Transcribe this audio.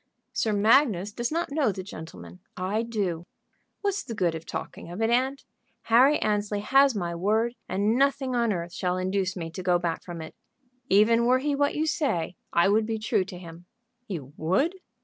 "Sir Magnus does not know the gentleman; I do. What's the good of talking of it, aunt? Harry Annesley has my word, and nothing on earth shall induce me to go back from it. Even were he what you say I would be true to him." "You would?"